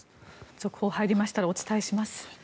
続報入りましたらお伝えします。